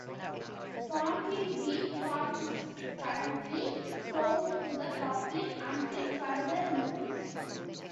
Font Hill Beach Park is currently closed to the public until further notice.